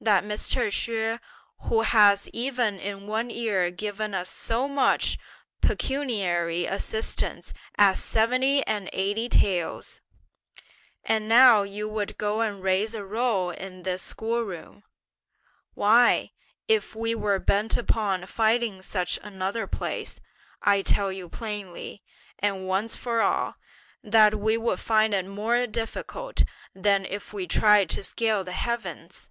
that Mr. Hsüeh, who has even in one year given us so much pecuniary assistance as seventy and eighty taels! And now you would go and raise a row in this school room! why, if we were bent upon finding such another place, I tell you plainly, and once for all, that we would find it more difficult than if we tried to scale the heavens!